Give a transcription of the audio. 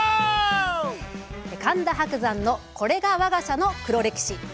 「神田伯山のこれがわが社の黒歴史」。